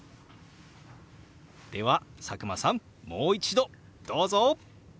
では佐久間さんもう一度どうぞ！